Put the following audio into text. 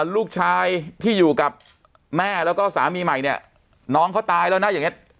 ลูกชายที่อยู่กับแม่แล้วก็สามีใหม่เนี่ยน้องเขาตายแล้วนะอย่างนี้